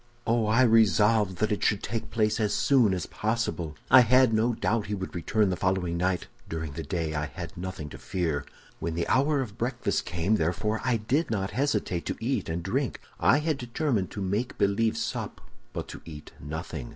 "Oh, I resolved that it should take place as soon as possible. I had no doubt he would return the following night. During the day I had nothing to fear. "When the hour of breakfast came, therefore, I did not hesitate to eat and drink. I had determined to make believe sup, but to eat nothing.